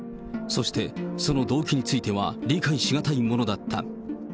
そして、その動機については、理解し難いものだった。